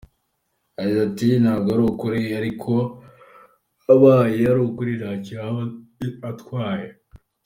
Yagize ati “Ntabwo ari ukuri ariko abaye ari ukuri ntacyo yaba atwaye.